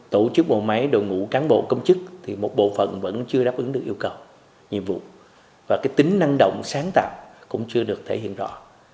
tổ chức bộ máy đội ngũ cán bộ công chức thì một bộ phận vẫn chưa đáp ứng được yêu cầu nhiệm vụ và cái tính năng động sáng tạo cũng chưa được thể hiện rõ